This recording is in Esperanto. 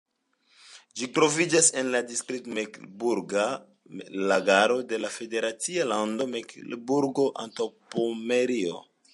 Ĝi troviĝas en la distrikto Meklenburga Lagaro de la federacia lando Meklenburgo-Antaŭpomerio.